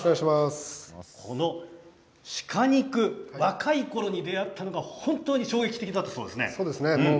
この鹿肉、若いころに出会ったのが本当に衝撃的だったそうですね。